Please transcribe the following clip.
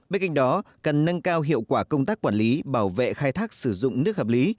bên cạnh đó cần nâng cao hiệu quả công tác quản lý bảo vệ khai thác sử dụng nước hợp lý